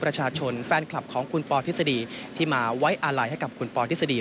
ประชาชนแฟนคลับของคุณพอร์ทฤษฎีที่มาไว้อะไลน์ให้กับคุณพอร์ทฤษฎี